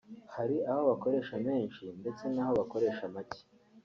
hari aho bakoresha menshi ndetse n’aho bakoresha macye